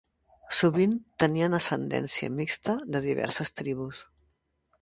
Sovint tenien ascendència mixta de diverses tribus.